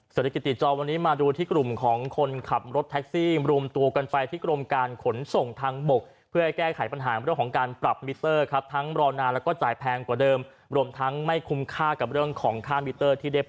สวัสดีกันติดตามวันนี้มาดูที่กลุ่มของคนขับรถ